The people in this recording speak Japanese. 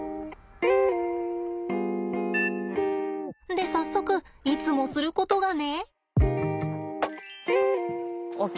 で早速いつもすることがね。